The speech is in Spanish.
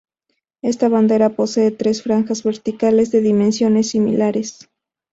Esta bandera posee tres franjas verticales de dimensiones similares.